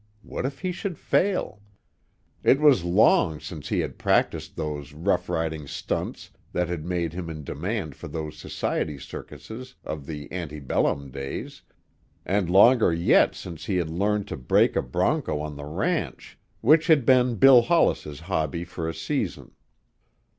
What if he should fail? It was long since he had practiced those rough riding stunts that had made him in demand for those society circuses of the ante bellum days, and longer yet since he had learned to break a bronco on the ranch, which had been Bill Hollis's hobby for a season.